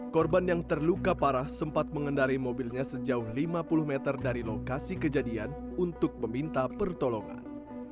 korban yang terluka parah sempat mengendari mobilnya sejauh lima puluh meter dari lokasi kejadian untuk meminta pertolongan